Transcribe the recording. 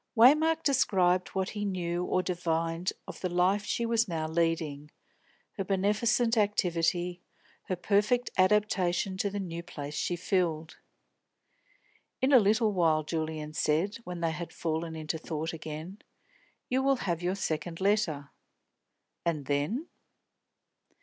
Waymark described what he knew or divined of the life she was now leading, her beneficent activity, her perfect adaptation to the new place she filled. "In a little while," Julian said, when they had fallen into thought again, "you will have your second letter. And then?"